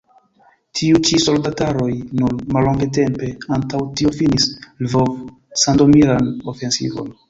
Tiuj ĉi soldataroj nur mallongtempe antaŭ tio finis Lvov-sandomiran ofensivon.